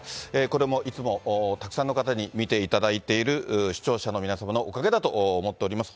これも、いつもたくさんの方に見ていただいている、視聴者の皆様のおかげだと思っております。